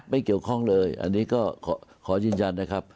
ไม่เกี่ยวข้องเลยอันนี้ก็ขอยืนยันนะครับ